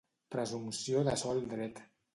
Presumpció de sol dret.